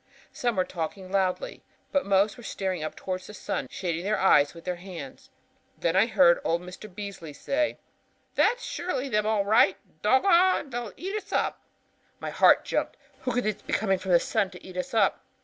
Some were talking loudly, but most were staring up toward the sun, shading their eyes with their hands. Then I heard old Mr. Beasley say: 'That's surely them all right; doggon, they'll eat us up.' "My heart jumped. Who could be coming from the sun to eat us up?